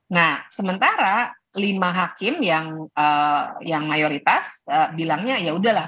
nah sementara lima hakim yang mayoritas bilangnya yaudahlah